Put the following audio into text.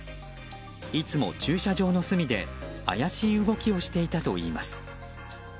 いつも駐車場の隅で怪しい動きをしていたといいます。